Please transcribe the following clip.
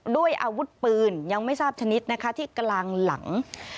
ด้วยอาวุธปืนยังไม่ทราบชนิดนะคะที่กลางหลัง